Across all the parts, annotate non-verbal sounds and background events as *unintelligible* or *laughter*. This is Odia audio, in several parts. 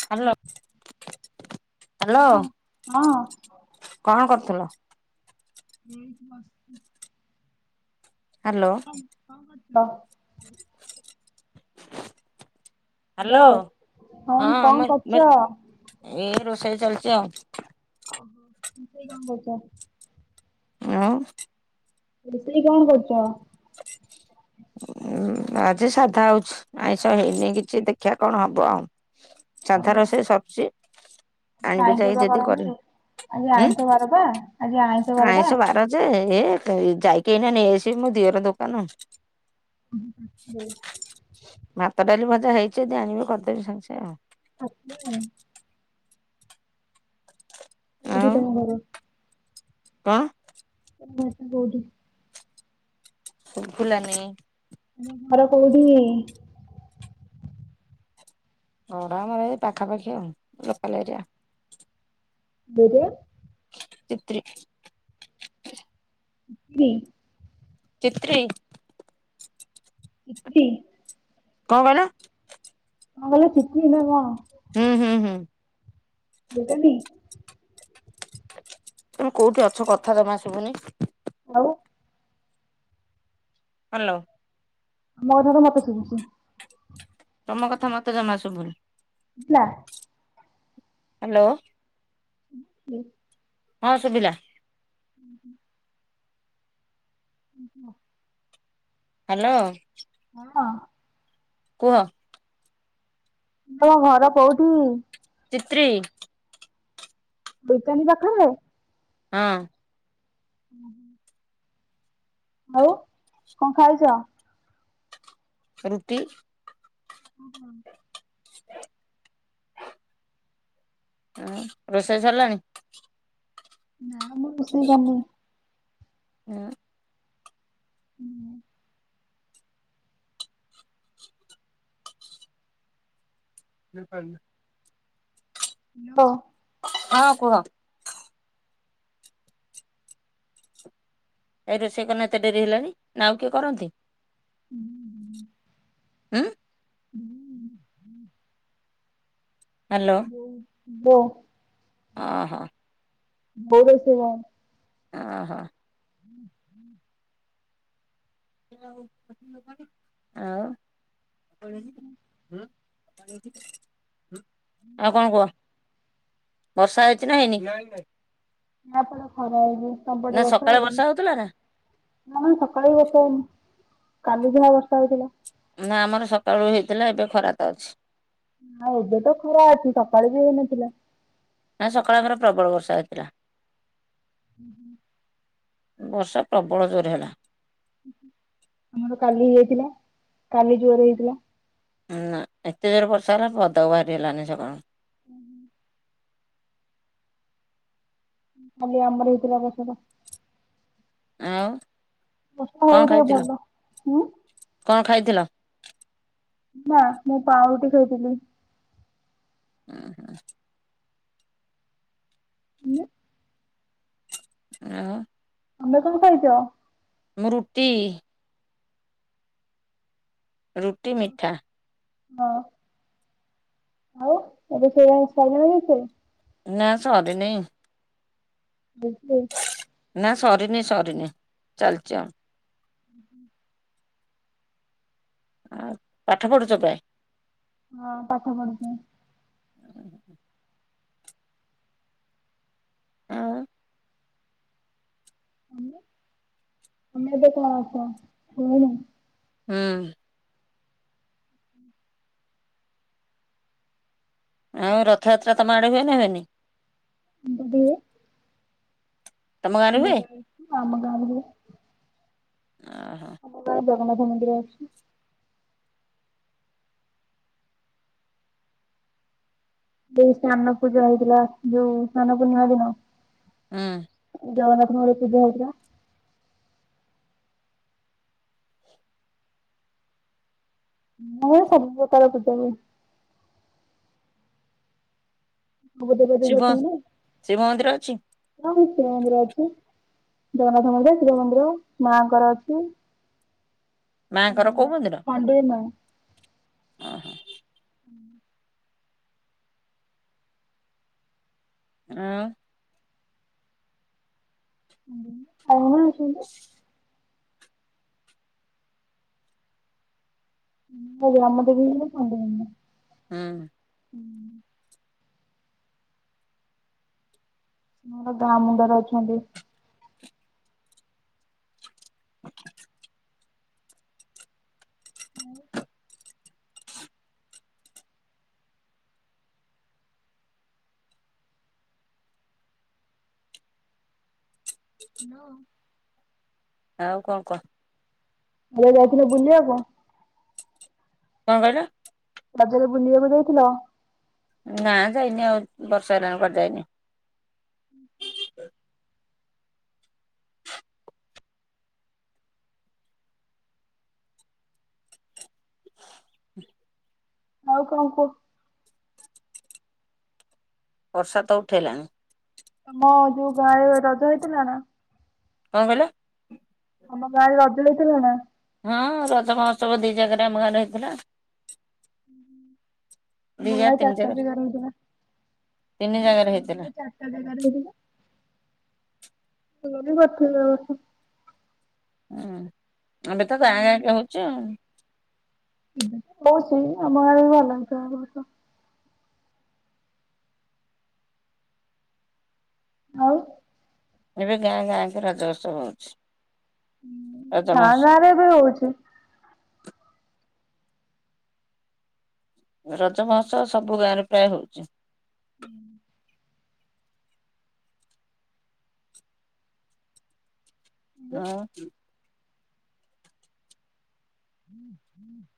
ହ୍ୟାଲୋ ହଁ ହ୍ୟାଲୋ, କଣ କରୁଥିଲ? ଏଇଠୀ ବସିଚି। ହ୍ୟାଲୋ। ହ୍ୟାଲୋ, ହଁ କଣ କରୁଛ? ହ୍ୟାଲୋ କଣ କରୁଛ? ମୁଁ ଏଇ ରୋଷେଇ ଚାଲିଛି ଆଉ। ଓହୋ ତ ସେଇ କଣ କରଛ? ଆଉ। ରୋଷେଇ କଣ କରୁଛ? *inaudible* ଉ ଆଜି ସାଧା ହଉଛି, ଆଇଁଷ ହେଇନି କିଛି ଦେଖିବା କଣ ହବ ଆଉ। ସାନ୍ଧା ଓହୋ ରୋଷେଇ ସରୁଚି। ଆଜି ଆଣିବି ଆଇଁଷ ଯାଇ ବା ଯଦି କରନ୍ତି। କରିବି, ଆଜି ଆଇଁଷ ବାର ବା ଉଁ? ଆଜି ଟା। ଆଇଁଷ ବାର ଯେ, ହେ ଯାଇକି ଏଇନା ନେଇଆସିବି ମୋ ଦିଅର ଦୋକାନ। *unintelligible* ଭାତ, ଡାଲି, ଭଜା ହେଇଛି ଯଦି ଆଣିବି କରିଦେବି ସାଙ୍ଗେ ସଙ୍ଗେ ଆଉ। *unintelligible* କୋଉଠି ଆଉ ତମ ଘର? କଣ? ତମ ଘରଟା କୋଉଠି? ଶୁଭିଲାନି। ତମ ଘର କୋଉଠି? ଘର ଆମର ଏଇ ପାଖାପାଖି ଆଉ, ଲୋକାଲ ଏରିଆ। ଦୁରିଆ? ତିତ୍ରି। ତିତିରି? ତିତ୍ରୀ? ପିପିଲି? କଣ କହିଲ? ମୁଁ କହିଲି ତିତଲି ନା କଣ? ହୁଁ ହୁଁ ହୁଁ। *unintelligible* ତମେ କୋଉଠି ଅଛ କଥା ଜମା ଶୁଭୁନି। ଆଉ ହାଲୋ। ମୋ ଠାରୁ ମତେ ଶୁଭୁଚି। ତମ କଥା ମତେ ଜମା ଶୁଭୁନି। ସୁଭିଲା? ହ୍ୟାଲୋ। *unintelligible* ହଁ ଶୁଭିଲା। ଉ ହୁଁ। *inaudible* ହ୍ୟାଲୋ। ହଁ। କୁହ।? ତମ ଘର କୋଉଠି? ଚିତ୍ରୀ ବୋଇତାନୀ ପାଖରେ। ହଁ। ହୁଁ। ହଉ କଣ ଖାଉଛ? ରୁଟି। ଓୁ ହଁ ହଁ ରୋଷେଇ ସରିଲାଣି? ନା ମୁଁ ରୋଷେଇ କନି ହଁ। ହୁଁ। *unintelligible* ହ୍ୟାଲୋ। ହଁ କୁହ? ଏଇ ରୋଷେଇକ ଏତେ ଡେରି ହେଲାଣି ନା ଆଉ କିଏ କରନ୍ତି? ହୁଁ। ଉଁ ହୁଁ। ହଲୋ। *inaudible* ହାଲୋ। ଓ ହୋ। ବୋଉ ଯାଇଥିବ? ଓ ହୋ। ହୁଁ ହୁଁ। ଆଉ *unintelligible* ଆଉ କଣ କୁହ? ବର୍ଷା ହେଇଛି ନା ହେଇନି? ନା ଏପଟେ ଖରା ହେଇଛି ନା ସେପଟେ ବର୍ଷା ସକାଳେ ହୋଉଛି କି? ହଉଥିଲା ନା ନା ସକାଳୁ ବି ବର୍ଷା ହେଇନି କାଲି ଯାହା ବର୍ଷା ହେଉଥିଲା। ନା ଆମର ସକାଳୁ ହେଇଥିଲା ଏବେ ଖରା ତ ଅଛି। ହଁ ଏବେ ତ ଖରା ଅଛି ସକାଳୁ ବି ହେଇନଥିଲା। ନା ସକାଳ ଘରେ ପ୍ରବଳ ବର୍ଷା ହେଇଥିଲା। ହୁଁ ହୁଁ। ବର୍ଷା ପ୍ରବଳ ଜୋରେ ହେଲା। ଆମର କାଲି ହେଇଥିଲା କାଲି ଜୋରେ ହେଇଥିଲା। ନା ଏତେ ଜୋର ବର୍ଷା ହେଲା ପଦାକୁ ବାହାରି ହେଲାନି ସଖାଳୁ? ଖାଲି ଆମର ହେଇଥିଲା ବର୍ଷା ଟା। ଆଉ ବର୍ଷା ହଉ କଣ ଟିକେ ଖାଇଥିଲ ଭଲ ହୁଁ କଣ ଖାଇଥିଲ? ନା ମୁଁ ପାଉଠି ଖାଇଥିଲି। ହୁଁ ହୁଁ। ମୁଁ ଆଉ ଆମେ କଣ ଖାଇଛ? ମୃଟି। ରୁଟି, ମିଠା। ହଁ, ଆଉ ଏବେ ସେଇଆ ସଇଲାଣି କି? ନା ସରିନେଇ। *unintelligible* ନା ସରିନି ସରିନି ଚାଲିଛି ଆଉ। ହୁଁ ହୁଁ। ଆଉ ପାଠ ପଢ଼ୁଛ ପ୍ରାୟ? ହଁ ପାଠ ପଢୁଛି। ଆଉ ତମେ ତମେ ଏବେ କଣ। *unintelligible* ହୁଁ। ଆଉ ରଥଯାତ୍ରା ତମ ଆଡ଼େ ହୁଏନା ହୁଏନି? *unintelligible* ତମ ଗାଁରେ ଆମ ହୁଏ? ଗାଁ ଆମ ଗାଁ ରେ ହୁଏ। ଆହୋ। ଗାଁରେ ଜଗନ୍ନାଥ ମନ୍ଦିର ଅଛି। ଯୋଉ ସ୍ନାନ ପୂଜା ହେଇଥିଲା ଯୋଉ ସ୍ନାନ ପୂର୍ଣ୍ଣିମା ଦିନ। ଉଁ। ଜଗନ୍ନାଥ ଙ୍କ ଘରେ ପୂଜା ହଉଥିଲା। ମୁଁ ସବୁ ପ୍ରକାର ପୂଜା ହୁଏ। ଶିବ ଶିବ ମନ୍ଦିର ଅଛି *unintelligible* ହଁ ସେମ ରେ ଅଛି। ଜଗନ୍ନାଥ ମନ୍ଦିର, ଶିବ ମନ୍ଦିର, ମାଙ୍କର ଅଛି। ମାଙ୍କର କୋଉ ମନ୍ଦିର? *unintelligible* ଓହୋ। ଆଉ। ଆଉ କଣ ଅଛନ୍ତି? *inaudible* *unintelligible* ହୁଁ। ମୋର ଗାଁ ମୁଣ୍ଡରେ ଅଛନ୍ତି। *inaudible* ଆଉ। ହେଲୋ। ଆଉ କଣ କହ? ଏବେ ଯାଇଥିଲ ବୁଲିବା କୁ? କଣ କହିଲ? ରଥରେ ବୁଲିବାକୁ ଯାଇଥିଲ? ନା ଯାଇନି ଆଉ ବର୍ଷେ ହେଲାଣି କୁଆଡେ ଯାଇନି। *inaudible* *inaudible* ଆଉ କଣ କୁହ? ବର୍ଷା ତ ଉଠେଇଲାଣି। ତମ ଯୋଉ ଗାଁ ରେ ରଜ ହେଇଥିଲା ନା? କଣ କହିଲ? ତମ ଗାଁରେ ରଜ ହେଇ ଥିଲା ନା? ହଁ ରଜ ମହୋତ୍ସବ ଦି ଜାଗାରେ ଆମ ଗାଁରେ ହେଇଥିଲା। ଦି ଆମ ଜାଗା ଗାଁ ରେ ତିନି ଚାଟା ଜାଗା ଜାଗାରେ ହେଇଥିଲା। ତିନି ଜାଗାରେ ଆମ ହେଇଥିଲା। ଗାଁ ଚାଟ୍ ଟା ଜାଗାରେ ହେଇଥିଲା, ଭଲ ବି କରିଥିଲେ ଏଇ ବର୍ଷ। ଉଁ ଏବେ ତ ଗାଁ ଗାଁ କେ ହଉଚେ ଆଉ। ଉଁ ହଉଚି ଆମ ଗାଁ ରେ ବି ଭଲ ହେଇଥିଲା ଏଇ ବର୍ଷ। ଆଉ। ଏବେ ଗାଁ ଗାଁଙ୍କ ରଜ ଉତ୍ସବ ହଉଛି। ରଜ ଗାଁ ମହୋତ୍ସବ ଗାଁରେ ବି ହଉଚି। ରଜ ମୋହତ୍ସବ ସବୁ ଗାଁରେ ପ୍ରାୟ ହଉଚି। *inaudible* ଆଉ। *inaudible*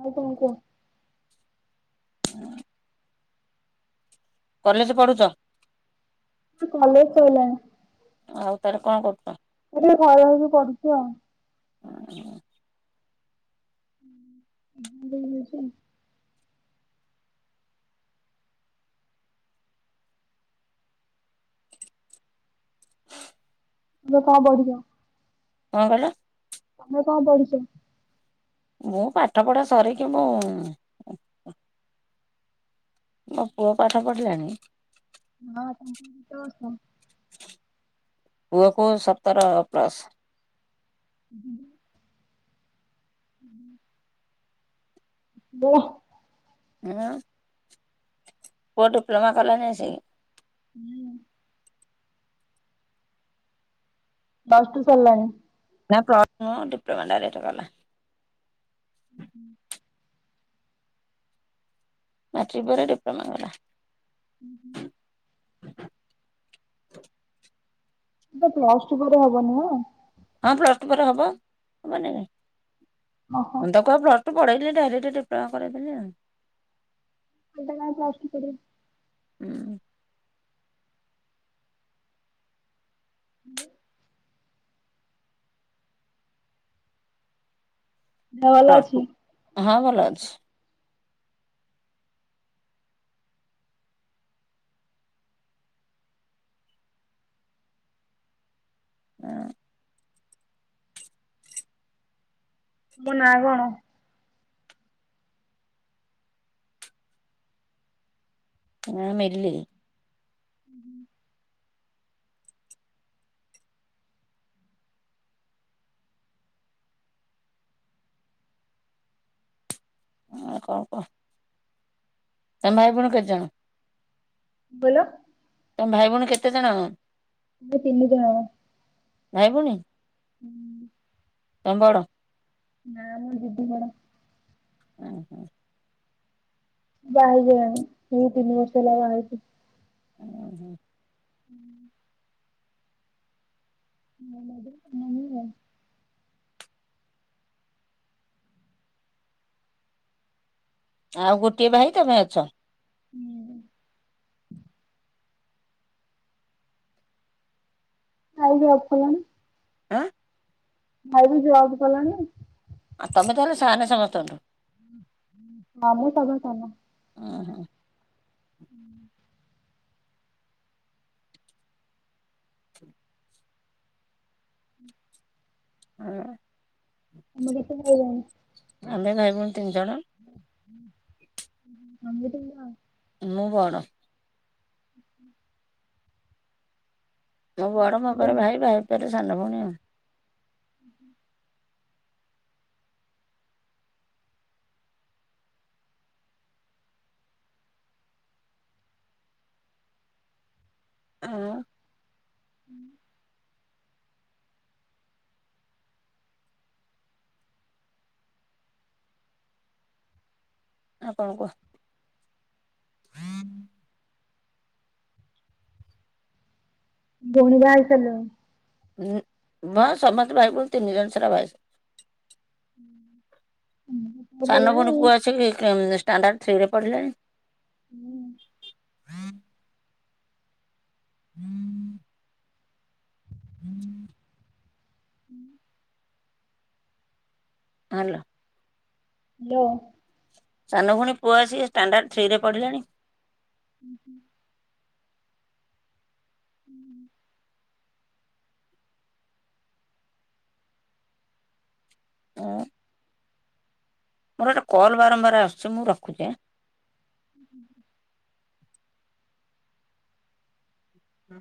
ଆଉ କଣ କହ। *inaudible* କଲେଜ୍ ପଢ଼ୁଚ? କଲେଜ୍ ସଇଲାଣି। ଆଉ ତାନେ କଣ କରୁଚ? ଏବେ ଘରେ ରହିକି ପଢୁଛି ଆଉ। ଓହୋ। *unintelligible* ତୁମେ କଣ ପଢ଼ିଚ? କଣ କହିଲ? ତମେ କଣ ପଢ଼ିଚ? ମୁଁ ପାଠପଢ଼ା ସରିକି ମୁଁ ମୋ ପୁଅ ପାଠ ପଢିଲାଣି। ମା ଆପଣଙ୍କୁ କେତେ ବର୍ଷ? ପୁଅକୁ ସତର ପ୍ଲସ୍। *inaudible* *inaudible* ବୋ ଆଁ ପୁଅ ଡିପ୍ଲୋମା କଲାଣି ଆସିକି। ହୁଁ। ପ୍ଲସ୍ ଟୁ ସରିଲାଣି। ନା ପ୍ଲସ୍ ଟୁ ନୁହଁ ଡିପ୍ଲୋମା ଡାଇରେକ୍ଟ କଲା। ଉହୁଁ। ମାଟ୍ରିକି ପରେ ଡିପ୍ଲୋମା କଲା। ଉହୁଁ। ଏଟା ପ୍ଲସ୍ ଟୁ ପରେ ହବ ନୁହଁ। ହଁ ପ୍ଲସ୍ ଟୁ ପରେ ହବ ହବନି କାଇଁ ଓହୋ ତମେତ ପ୍ଲସ୍ ତୁ ପଢେଇଲେନି ଡାଇରେକ୍ଟ ଡିପ୍ଲୋମା କରେଇଦେଲି ଆଉ। ଖାଲାଟା କାଇଁ ଆଉ ପ୍ଲସ୍ ଟୁ କରିବେକି। ହୁଁ। ହାଲୋ। ଦେହ ଭଲ ପ୍ଲସ୍ ଅଛି? ଟୁ ହଁ ଭଲ ଅଛି। ହଁ। ତମ ନାଁ କଣ? ନାଁ ମିଲି। ଉହୁଁ। ଆଉ କଣ କହ ତମେ ଭାଇ ଭଉଣୀ କେତେଜଣ? କଣ କହିଲ? ତମ ଭାଇ ଭଉଣୀ କେତେ ଜଣ? ଆମେ ତିନି ଜଣ। ଭାଇ ଭଉଣୀ? ହୁଁ। ତମ୍ ବଡ। ନାଁ ମୋ ଦିଦି ବଡ। *unintelligible* *unintelligible* *inaudible* *inaudible* ଆଉ ଗୋଟିଏ ଭାଇ ତମେ ଅଛ। ହୁଁ *inaudible* ଭାଇ ଜବ୍ କଲାଣି। ଆଁ ଭାଇ ବି ଜବ୍ କଲାଣି। ଆଉ ତମେ ତାହେଲେ ସାନ୍ ସମସ୍ତଙ୍କ ଠୁ। ହଁ ମୁଁ ସଭା ସାନ। ଓହୋ ହୁଁ *inaudible* ହଁ *unintelligible* ଆମେ ଭାଇ ଭଉଣୀ ତିନି ଜଣ। *unintelligible* ମୁଁ ବଡ଼। ହୁଁ ହଁ *inaudible* ମୁଁ ବଡ଼ ମୋ ଜଣ। ପରେ ଭାଇ ଭାଇପରେ ସାନ ଭଉଣୀ ଆଉ। ହଁ। ହୁଁ *inaudible* ଆଉ କଣ କୁଅ। ଭଉଣୀ ବାହା ହେଇସାରିଲାଣି। ଉଁ ହଁ ସମସ୍ତେ ଭାଇ ଭଉଣୀ ତିନି ଜଣ ସାରା ବାହା ହୁଁ। ସାନ କରିଦେଲାଣି ଭଉଣୀ ଆଉ। ପୁଅ ଆସିକି ଷ୍ଟାଣ୍ଡାର୍ଡ ଥ୍ରୀ ରେ ପଢିଲାଣି ହୁଁ। ହୁଁ *inaudible* *inaudible* ହୁଁ *inaudible* ହାଲୋ। ହାଲୋ। ସାନଭଉଣୀ ପୁଅ ଆସିକି ସେ ଷ୍ଟାଣ୍ଡାର୍ଡ ଥ୍ରୀରେ ପଢିଲାଣି। ହୁଁ ହୁଁ *inaudible* ହୁଁ *inaudible* ଆଉ। ମୋର ଏଟା କଲ୍ ବାରମ୍ବାର ଆସୁଛି ମୁଁ ରଖୁଛି ଆଁ ହୁଁ *inaudible* ହୁଁ।